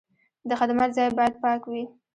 د خدمت ځای باید پاک وي.